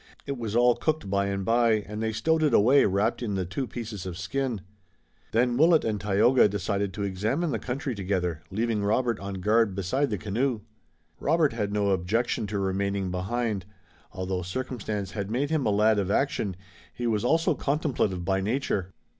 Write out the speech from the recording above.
It was all cooked by and by and they stowed it away wrapped in the two pieces of skin. Then Willet and Tayoga decided to examine the country together, leaving Robert on guard beside the canoe. Robert had no objection to remaining behind. Although circumstances had made him a lad of action he was also contemplative by nature.